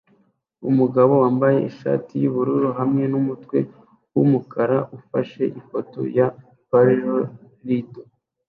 Umugabo wambaye ishati yubururu hamwe numutwe wumukara ufashe ifoto ya Polaroid